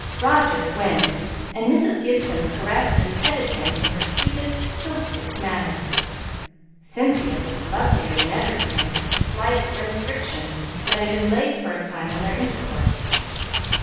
Roger went, and Mrs. Gibson caressed and petted him in her sweetest, silkiest manner. Cynthia looked lovelier than ever to him for the slight restriction that had been laid for a time on their intercourse.